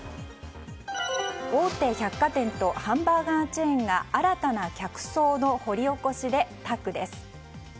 大手百貨店とハンバーガーチェーンが新たな客層の掘り起こしでタッグです。